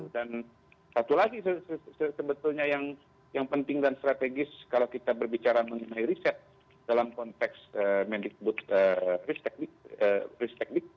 dan satu lagi sebetulnya yang penting dan strategis kalau kita berbicara mengenai riset dalam konteks medik but riset teknik